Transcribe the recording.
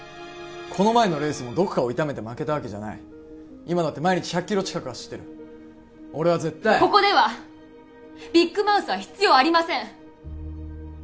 この前のレースもどこかを痛めて負けたわけじゃない今だって毎日１００キロ近く走ってる俺は絶対ここではビッグマウスは必要ありません